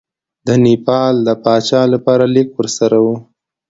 د نیپال د پاچا لپاره لیک ورسره وو.